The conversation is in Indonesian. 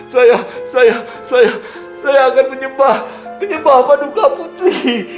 saya saya saya saya akan menyembah menyembah paduka putri